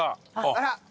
あら！